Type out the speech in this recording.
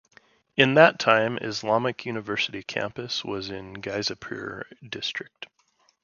In that time Islamic University campus was in Gazipur district.